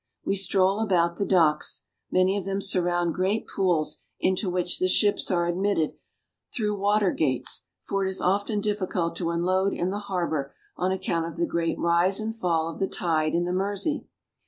We stroll about the docks. Many of them surround great pools into which the ships are admitted through water gates, for it is often difficult to unload in the harbor on account of the great rise and fall of the tide in the Mersey.